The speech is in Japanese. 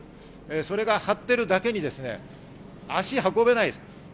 それが張っているだけに足が運べないです。